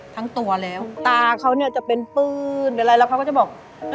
ทั้งตัวแล้วตาเขาเนี่ยจะเป็นปืนหรืออะไรแล้วเขาก็จะบอก